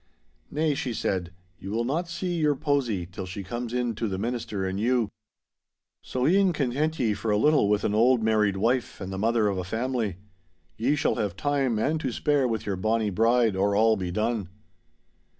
'Nay,' she said, 'you will not see your posy, till she comes in to the minister and you. So e'en content ye for a little with an old married wife and the mother of a family. Ye shall have time and to spare with your bonny bride or all be done.